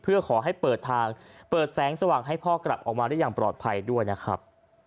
เพื่อขอให้เปิดทางเปิดแสงสว่างให้พ่อกลับออกมาได้อย่างปลอดภัยด้วยนะครับ